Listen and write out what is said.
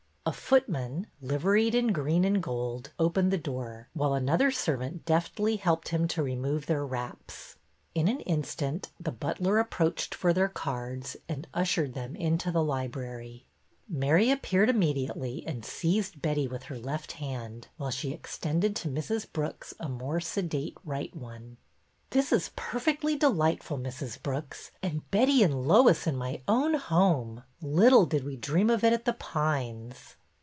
A footman, liveried in green and gold, opened the door, while another servant deftly helped him to remove their wraps. In an instant the butler approached for their cards and ushered them into the library. 244 BETTY BAIRD'S VENTURES Mary appeared immediately and seized Betty with her left hand, while she extended to Mrs. Brooks a more sedate right one. '' This is perfectly delightful, Mrs. Brooks. And Betty and Lois in my own home! Little did we dream of it at The Pines